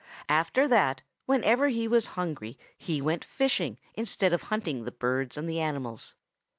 After that, whenever he was hungry, he went fishing instead of hunting the birds and the animals.